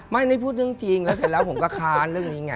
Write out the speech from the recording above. ไม่ได้พูดเรื่องจริงแล้วเสร็จแล้วผมก็ค้านเรื่องนี้ไง